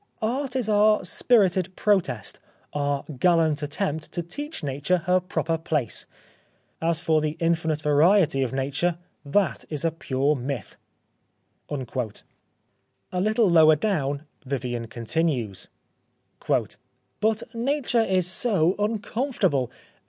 Art is our spirited protest, our gallant attempt to teach Nature her proper place. As for the infinite variety of Nature, that is a pure myth. ..." A little lower down, Vivian continues :—" But Nature is so uncomfortable.